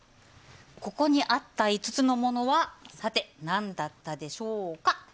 ここにあった５つのものはさて、何だったでしょうか。